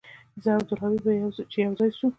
زه او عبدالهادي به چې يوازې سو.